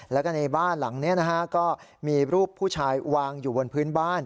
แล้วก็ในบ้านหลังนี้นะฮะก็มีรูปผู้ชายวางอยู่บนพื้นบ้าน